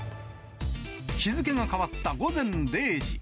日付が変わった午前０時。